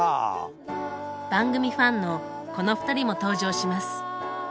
番組ファンのこの２人も登場します。